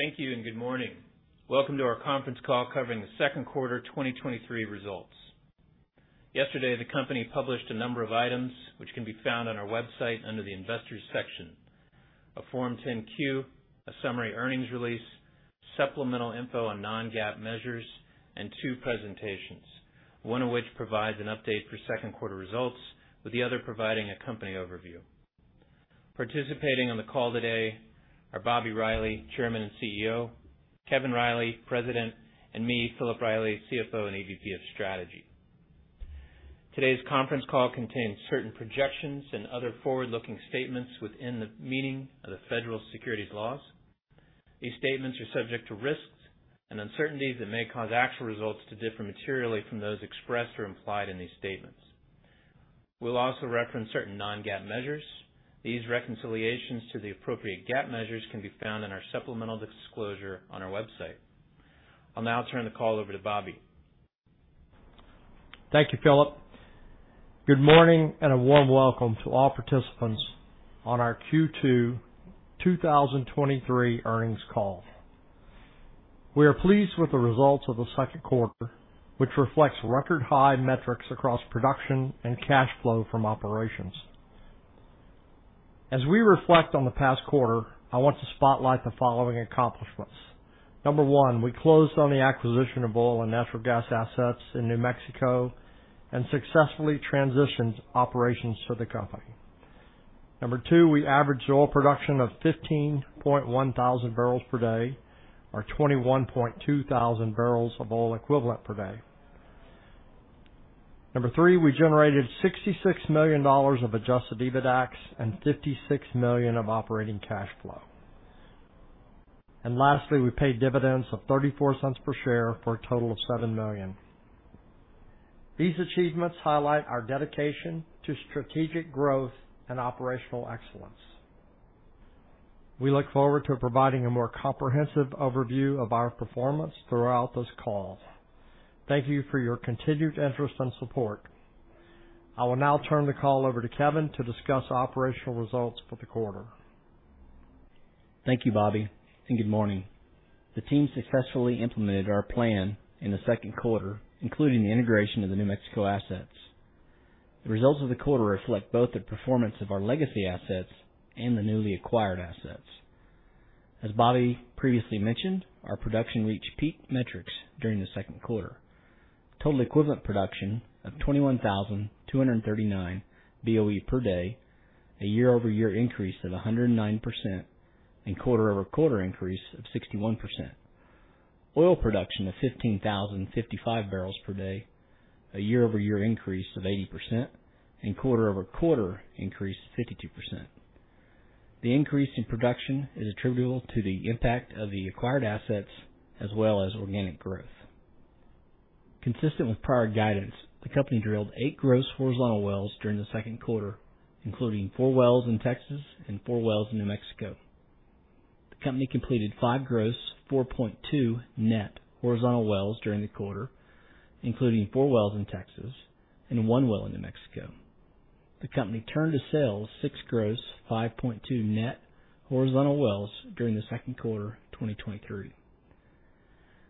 Thank you. Good morning. Welcome to our conference call covering the second quarter 2023 results. Yesterday, the company published a number of items which can be found on our website under the Investors section: a Form 10-Q, a summary earnings release, supplemental info on non-GAAP measures, and two presentations, one of which provides an update for second quarter results, with the other providing a company overview. Participating on the call today are Bobby Riley, Chairman and CEO, Kevin Riley, President, and me, Philip Riley, CFO and EVP of Strategy. Today's conference call contains certain projections and other forward-looking statements within the meaning of the federal securities laws. These statements are subject to risks and uncertainties that may cause actual results to differ materially from those expressed or implied in these statements. We'll also reference certain non-GAAP measures. These reconciliations to the appropriate GAAP measures can be found in our supplemental disclosure on our website. I'll now turn the call over to Bobby. Thank you, Philip. Good morning, a warm welcome to all participants on our Q2 2023 earnings call. We are pleased with the results of the second quarter, which reflects record-high metrics across production and cash flow from operations. As we reflect on the past quarter, I want to spotlight the following accomplishments. Number one, we closed on the acquisition of oil and natural gas assets in New Mexico and successfully transitioned operations to the company. Number two, we averaged oil production of 15.1 thousand barrels per day, or 21.2 thousand barrels of oil equivalent per day. Number three, we generated $66 million of Adjusted EBITDAX and $56 million of operating cash flow. Lastly, we paid dividends of $0.34 per share for a total of $7 million. These achievements highlight our dedication to strategic growth and operational excellence. We look forward to providing a more comprehensive overview of our performance throughout this call. Thank you for your continued interest and support. I will now turn the call over to Kevin to discuss operational results for the quarter. Thank you, Bobby. Good morning. The team successfully implemented our plan in the second quarter, including the integration of the New Mexico assets. The results of the quarter reflect both the performance of our legacy assets and the newly acquired assets. As Bobby previously mentioned, our production reached peak metrics during the second quarter. Total equivalent production of 21,239 Boe per day, a year-over-year increase of 109%, and quarter-over-quarter increase of 61%. Oil production of 15,055 barrels per day, a year-over-year increase of 80% and quarter-over-quarter increase of 52%. The increase in production is attributable to the impact of the acquired assets as well as organic growth. Consistent with prior guidance, the company drilled eight gross horizontal wells during the second quarter, including four wells in Texas and four wells in New Mexico. The company completed 5 gross, 4.2 net horizontal wells during the quarter, including four wells in Texas and 1 well in New Mexico. The company turned to sales six gross, 5.2 net horizontal wells during the second quarter 2023.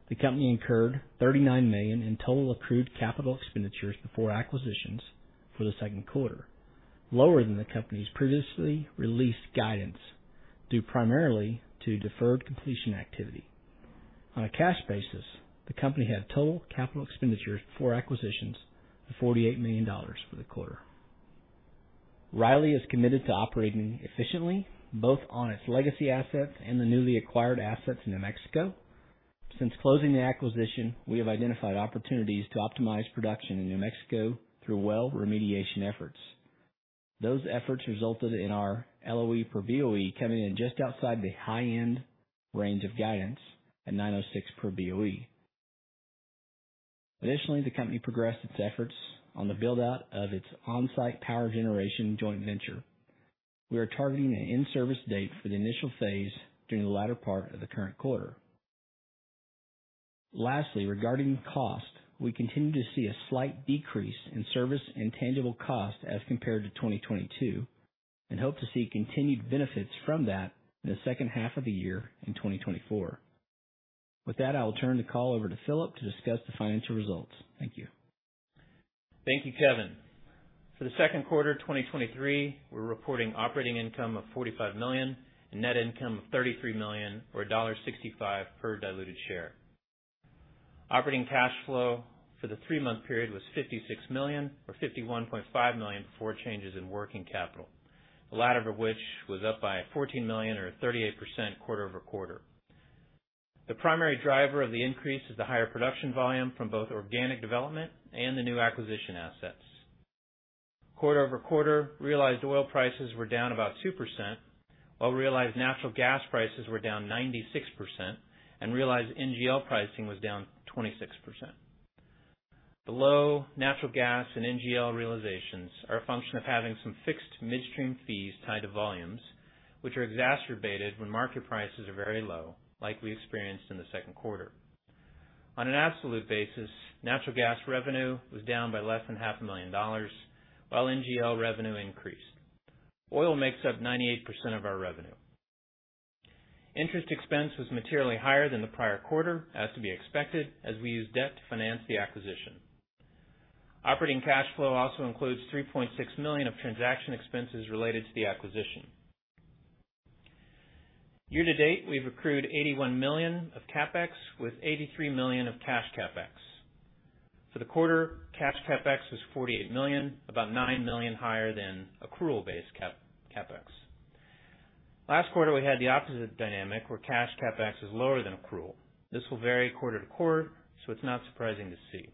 The company incurred $39 million in total accrued capital expenditures before acquisitions for the second quarter, lower than the company's previously released guidance, due primarily to deferred completion activity. On a cash basis, the company had total capital expenditures for acquisitions of $48 million for the quarter. Riley is committed to operating efficiently, both on its legacy assets and the newly acquired assets in New Mexico. Since closing the acquisition, we have identified opportunities to optimize production in New Mexico through well remediation efforts. Those efforts resulted in our LOE per BoE coming in just outside the high-end range of guidance at $9.06 per Boe. Additionally, the company progressed its efforts on the build-out of its on-site power generation joint venture. We are targeting an in-service date for the initial phase during the latter part of the current quarter. Lastly, regarding cost, we continue to see a slight decrease in service and tangible costs as compared to 2022. Hope to see continued benefits from that in the second half of the year in 2024. With that, I will turn the call over to Philip to discuss the financial results. Thank you. Thank you, Kevin. For the second quarter 2023, we're reporting operating income of $45 million and net income of $33 million, or $1.65 per diluted share. Operating cash flow for the three-month period was $56 million, or $51.5 million before changes in working capital, the latter of which was up by $14 million or 38% quarter-over-quarter. The primary driver of the increase is the higher production volume from both organic development and the new acquisition assets. Quarter-over-quarter, realized oil prices were down about 2%, while realized natural gas prices were down 96% and realized NGL pricing was down 26%. The low natural gas and NGL realizations are a function of having some fixed midstream fees tied to volumes, which are exacerbated when market prices are very low, like we experienced in the second quarter. On an absolute basis, natural gas revenue was down by less than $500,000, while NGL revenue increased. Oil makes up 98% of our revenue. Interest expense was materially higher than the prior quarter, as to be expected, as we used debt to finance the acquisition. Operating cash flow also includes $3.6 million of transaction expenses related to the acquisition. Year to date, we've accrued $81 million of CapEx, with $83 million of cash CapEx. For the quarter, cash CapEx was $48 million, about $9 million higher than accrual-based CapEx. Last quarter, we had the opposite dynamic, where cash CapEx was lower than accrual. This will vary quarter to quarter, it's not surprising to see.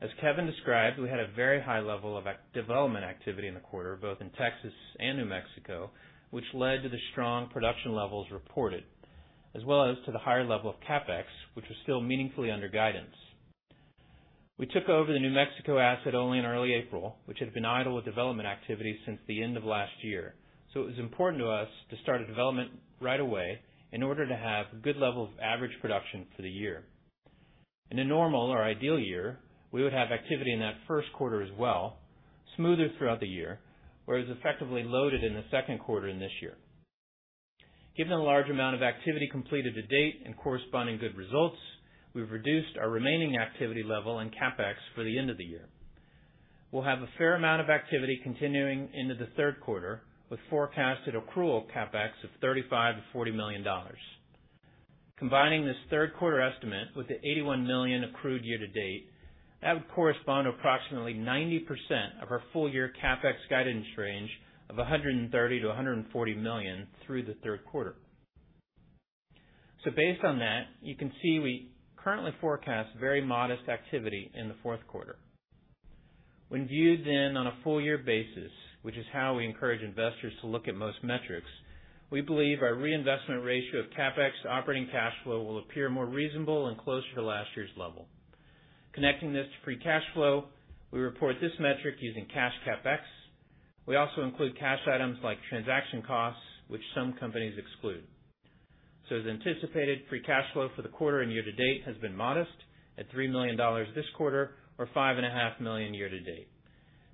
As Kevin described, we had a very high level of development activity in the quarter, both in Texas and New Mexico, which led to the strong production levels reported, as well as to the higher level of CapEx, which was still meaningfully under guidance. We took over the New Mexico asset only in early April, which had been idle with development activity since the end of last year, it was important to us to start a development right away in order to have a good level of average production for the year. In a normal or ideal year, we would have activity in that first quarter as well, smoother throughout the year, whereas effectively loaded in the second quarter in this year. Given the large amount of activity completed to date and corresponding good results, we've reduced our remaining activity level and CapEx for the end of the year. We'll have a fair amount of activity continuing into the third quarter, with forecasted accrual CapEx of $35 million-$40 million. Combining this third quarter estimate with the $81 million accrued year to date, that would correspond to approximately 90% of our full year CapEx guidance range of $130 million-$140 million through the third quarter. Based on that, you can see we currently forecast very modest activity in the fourth quarter. When viewed then on a full year basis, which is how we encourage investors to look at most metrics, we believe our reinvestment ratio of CapEx to operating cash flow will appear more reasonable and closer to last year's level. Connecting this to free cash flow, we report this metric using cash CapEx. We also include cash items like transaction costs, which some companies exclude. As anticipated, free cash flow for the quarter and year to date has been modest, at $3 million this quarter, or $5.5 million year to date.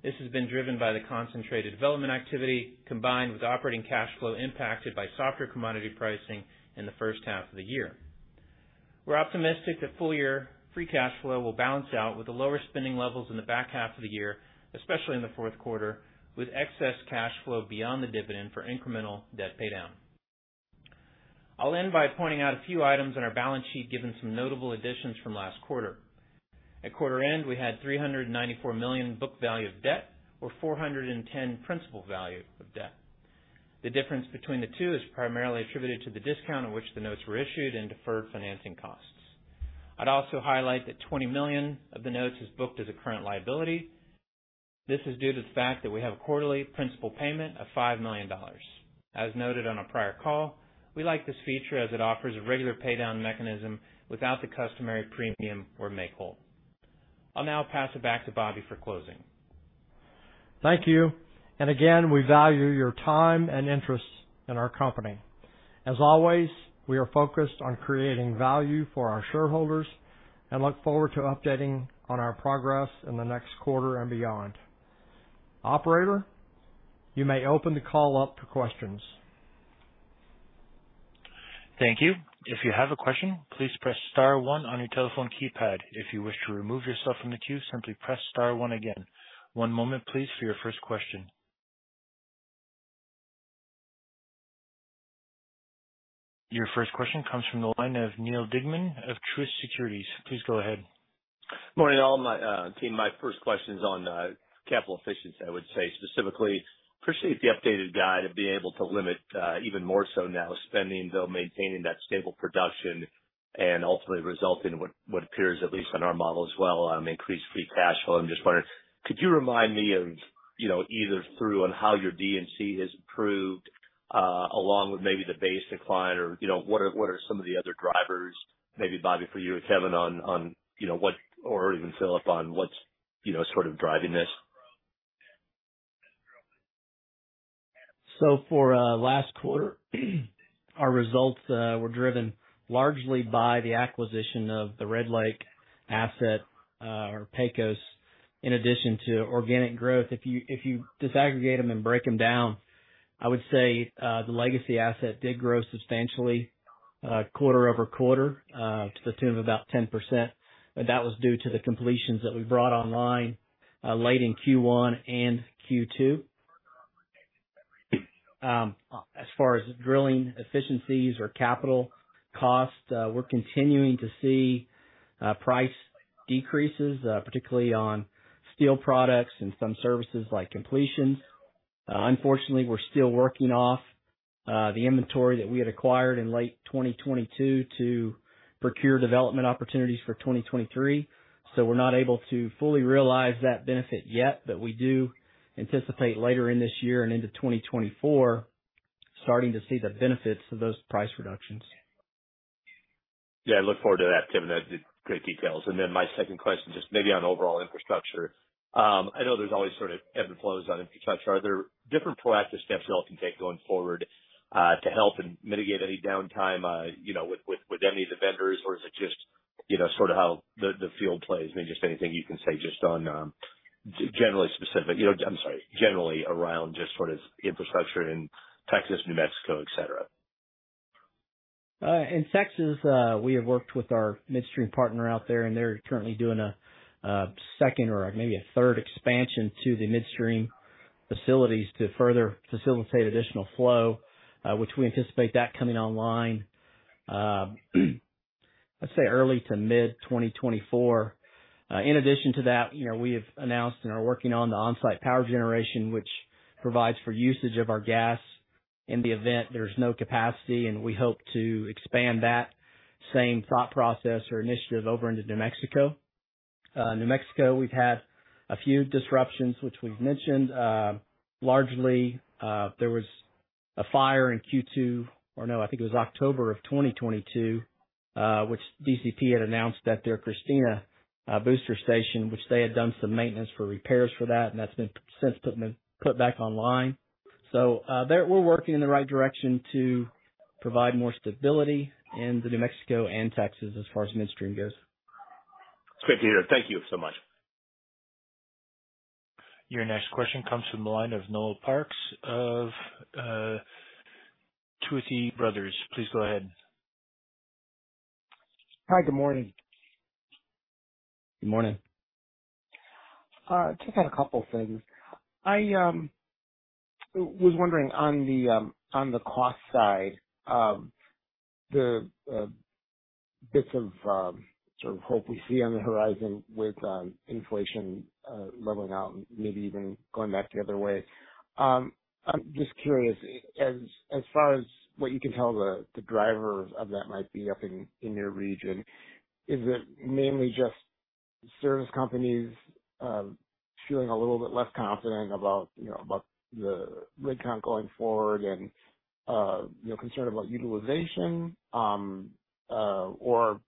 This has been driven by the concentrated development activity, combined with operating cash flow impacted by softer commodity pricing in the first half of the year. We're optimistic that full year free cash flow will balance out with the lower spending levels in the back half of the year, especially in the fourth quarter, with excess cash flow beyond the dividend for incremental debt paydown. I'll end by pointing out a few items on our balance sheet, given some notable additions from last quarter. At quarter end, we had $394 million book value of debt, or $410 million principal value of debt. The difference between the two is primarily attributed to the discount on which the notes were issued and deferred financing costs. I'd also highlight that $20 million of the notes is booked as a current liability. This is due to the fact that we have a quarterly principal payment of $5 million. As noted on a prior call, we like this feature as it offers a regular paydown mechanism without the customary premium or make whole. I'll now pass it back to Bobby for closing. Thank you. Again, we value your time and interest in our company. As always, we are focused on creating value for our shareholders and look forward to updating on our progress in the next quarter and beyond. Operator, you may open the call up to questions. Thank you. If you have a question, please press star one on your telephone keypad. If you wish to remove yourself from the queue, simply press star one again. One moment please, for your first question. Your first question comes from the line of Neal Dingmann of Truist Securities. Please go ahead. Morning, all, my team. My first question is on capital efficiency, I would say. Specifically, appreciate the updated guide and being able to limit, even more so now, spending, though maintaining that stable production and ultimately result in what, what appears, at least in our model as well, increased free cash flow. I'm just wondering, could you remind me of, you know, either through on how your D&C has improved, along with maybe the base decline or, you know, what are, what are some of the other drivers? Maybe, Bobby, for you and Kevin on, on, you know, what or even Philip, on what's, you know, sort of driving this? For last quarter, our results were driven largely by the acquisition of the Red Lake asset, or Pecos, in addition to organic growth. If you disaggregate them and break them down, I would say the legacy asset did grow substantially quarter-over-quarter to the tune of about 10%, but that was due to the completions that we brought online late in Q1 and Q2. As far as drilling efficiencies or capital costs, we're continuing to see price decreases, particularly on steel products and some services like completions. Unfortunately, we're still working off the inventory that we had acquired in late 2022 to procure development opportunities for 2023. We're not able to fully realize that benefit yet, but we do anticipate later in this year and into 2024, starting to see the benefits of those price reductions. Yeah, I look forward to that, Kevin. That's great details. My second question, just maybe on overall infrastructure. I know there's always sort of ebbs and flows on infrastructure. Are there different proactive steps you all can take going forward to help and mitigate any downtime, you know, with, with, with any of the vendors? Is it just? you know, sort of how the, the field plays. Maybe just anything you can say just on, generally specific, you know, I'm sorry, generally around just what is infrastructure in Texas, New Mexico, et cetera. In Texas, we have worked with our midstream partner out there, they're currently doing a second or maybe a third expansion to the midstream facilities to further facilitate additional flow, which we anticipate that coming online, let's say early to mid 2024. In addition to that, you know, we have announced and are working on the on-site power generation, which provides for usage of our gas in the event there's no capacity, we hope to expand that same thought process or initiative over into New Mexico. New Mexico, we've had a few disruptions, which we've mentioned. Largely, there was a fire in Q2, or no, I think it was October of 2022, which DCP had announced that their Kristina booster station, which they had done some maintenance for repairs for that, and that's been since put in the put back online. There we're working in the right direction to provide more stability in New Mexico and Texas as far as midstream goes. It's great to hear. Thank you so much. Your next question comes from the line of Noel Parks of Tuohy Brothers. Please go ahead. Hi, good morning. Good morning. Just had 2 things. I was wondering on the on the cost side, the bits of sort of hope we see on the horizon with inflation leveling out and maybe even going back the other way. I'm just curious, as, as far as what you can tell, the drivers of that might be up in your region. Is it mainly just service companies feeling a little bit less confident about, you know, about the rig count going forward and, you know, concerned about utilization, or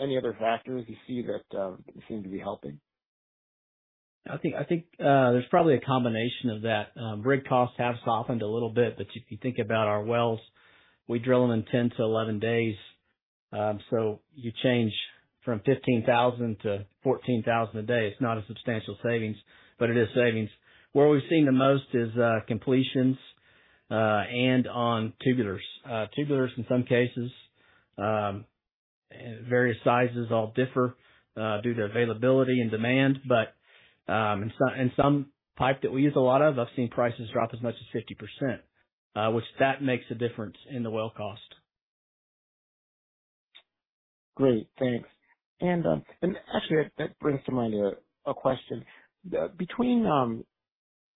any other factors you see that seem to be helping? I think, I think, there's probably a combination of that. Rig costs have softened a little bit, but if you think about our wells, we drill them in 10 to 11 days. You change from 15,000 to 14,000 a day. It's not a substantial savings, but it is savings. Where we've seen the most is completions and on tubulars. Tubulars in some cases, various sizes all differ, due to availability and demand, but in some, in some type that we use a lot of, I've seen prices drop as much as 50%, which that makes a difference in the well cost. Great, thanks. Actually that brings to mind a question. Between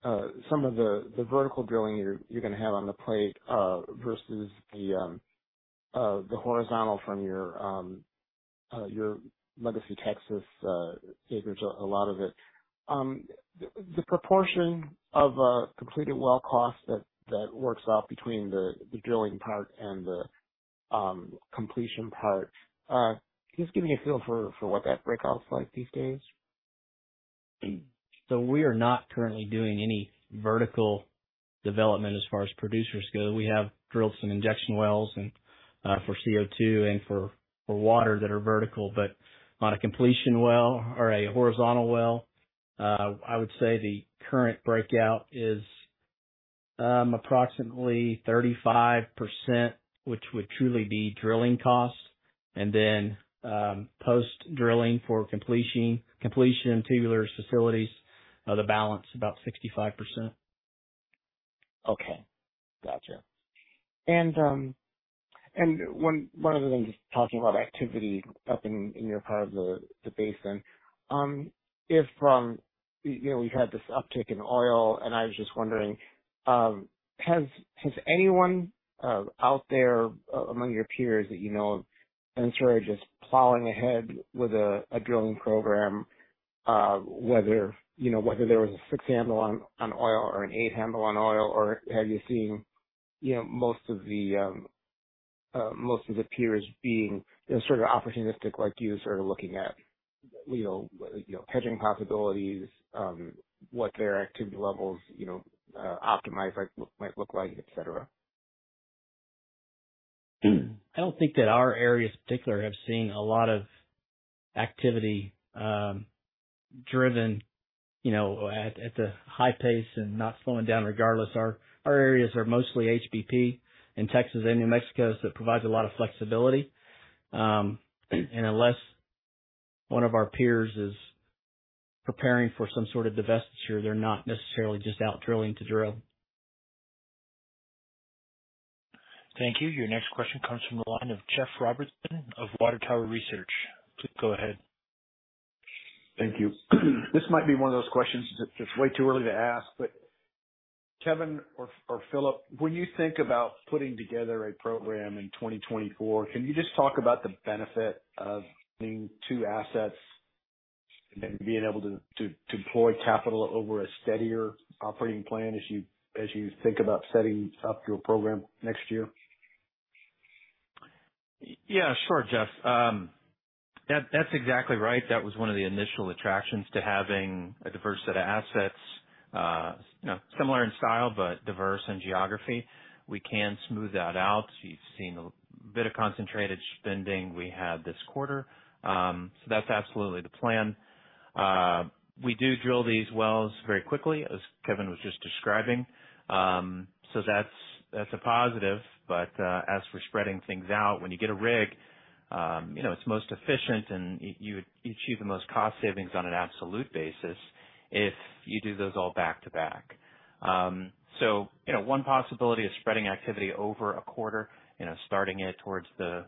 some of the vertical drilling you're gonna have on the plate versus the horizontal from your legacy Texas acreage, a lot of it. The proportion of completed well cost that works out between the drilling part and the completion part, just give me a feel for what that breakout is like these days. We are not currently doing any vertical development as far as producers go. We have drilled some injection wells and for CO2 and for, for water that are vertical. On a completion well or a horizontal well, I would say the current breakout is approximately 35%, which would truly be drilling costs. Then post drilling for completion, completion, tubular facilities, the balance about 65%. Okay, gotcha. One, one other thing, just talking about activity up in your part of the basin. If, you know, we've had this uptick in oil, and I was just wondering, has anyone out there among your peers that you know of, sort of just plowing ahead with a drilling program? Whether, you know, whether there was a 6 handle on oil or an 8 handle on oil, or have you seen, you know, most of the most of the peers being, you know, sort of opportunistic like you, sort of looking at, you know, hedging possibilities, what their activity levels, you know, optimized might look like, et cetera. I don't think that our areas in particular have seen a lot of activity, driven, you know, at, at the high pace and not slowing down regardless. Our, our areas are mostly HBP in Texas and New Mexico. It provides a lot of flexibility. Unless one of our peers is preparing for some sort of divestiture, they're not necessarily just out drilling to drill. Thank you. Your next question comes from the line of Jeff Robertson of Water Tower Research. Please go ahead. Thank you. This might be one of those questions that's way too early to ask, but Kevin or Philip, when you think about putting together a program in 2024, can you just talk about the benefit of having two assets and being able to deploy capital over a steadier operating plan as you think about setting up your program next year? Yeah, sure, Jeff. That, that's exactly right. That was one of the initial attractions to having a diverse set of assets. you know, similar in style, but diverse in geography. We can smooth that out. You've seen a bit of concentrated spending we had this quarter. That's absolutely the plan. We do drill these wells very quickly, as Kevin was just describing. That's, that's a positive. As for spreading things out, when you get a rig, you know, it's most efficient and you, you achieve the most cost savings on an absolute basis if you do those all back-to-back. One possibility is spreading activity over a quarter, you know, starting it towards the,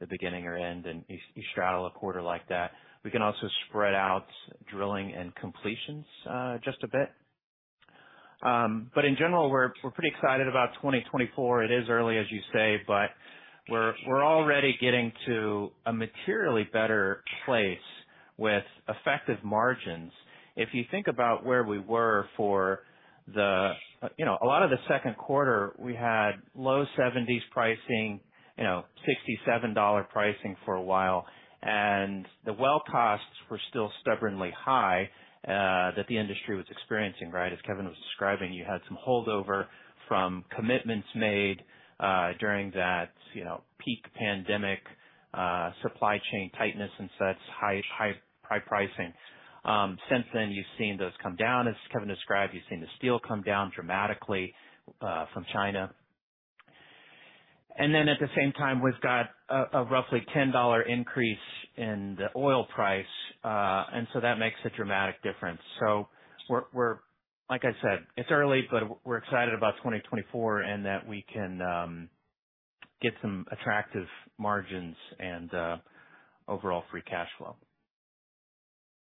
the beginning or end, and you, you straddle a quarter like that. We can also spread out drilling and completions, just a bit. In general, we're, we're pretty excited about 2024. It is early, as you say, but we're, we're already getting to a materially better place with effective margins. If you think about where we were for the... You know, a lot of the second quarter, we had low 70s pricing, you know, $67 pricing for a while, and the well costs were still stubbornly high that the industry was experiencing, right? As Kevin was describing, you had some holdover from commitments made during that, you know, peak pandemic, supply chain tightness and such high, high, high pricing. Since then, you've seen those come down. As Kevin described, you've seen the steel come down dramatically from China. At the same time, we've got a roughly $10 increase in the oil price. That makes a dramatic difference. we're, like I said, it's early, but we're excited about 2024 and that we can get some attractive margins and overall free cash flow.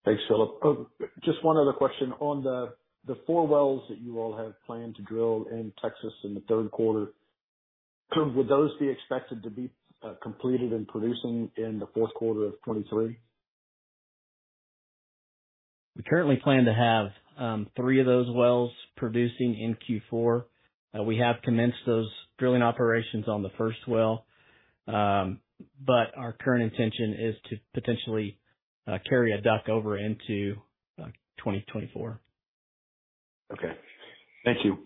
Thanks, Philip. Just one other question on the, the four wells that you all have planned to drill in Texas in the third quarter. Would those be expected to be completed and producing in the fourth quarter of 2023? We currently plan to have 3 of those wells producing in Q4. We have commenced those drilling operations on the first well, but our current intention is to potentially carry a DUC over into 2024. Okay. Thank you.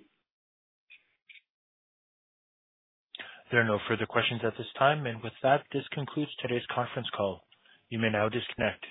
There are no further questions at this time, and with that, this concludes today's conference call. You may now disconnect.